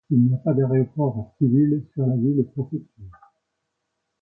Il n'y a pas d'aéroport civil sur la ville-préfecture.